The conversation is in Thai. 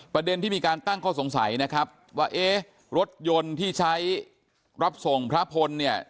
ประเด็นที่มีการตั้งข้อสงสัยนะครับว่าเอ๊ะรถยนต์ที่ใช้รับส่งพระพลเนี่ย